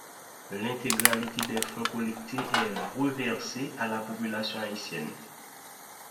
L'intégralité des fonds collectés est reversée à la population haïtienne.